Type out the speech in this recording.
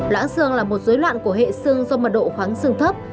loãng sương là một dối loạn của hệ sương do mật độ khoáng sương thấp